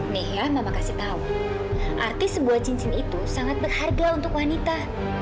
nih ya mama kasih tahu artis sebuah cincin itu sangat berharga untuk wanita